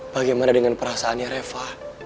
bagaimana dengan perasaannya reva